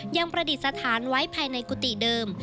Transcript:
ประดิษฐานไว้ภายในกุฏิเดิม